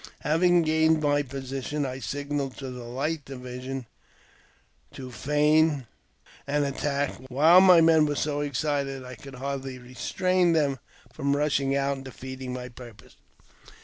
Having gained my position, I signalled to the light division to feign an attack, while my men were so excited I could hardly restrain them from rushing out and defeating my purpose.